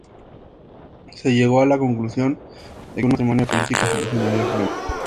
Se llegó a la conclusión de que un matrimonio político solucionaría el problema.